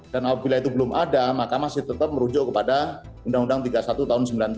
dan apabila itu belum ada maka masih tetap merujuk kepada undang undang tiga puluh satu tahun sembilan puluh tujuh